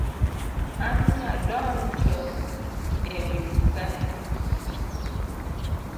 Anya donjo e odi kae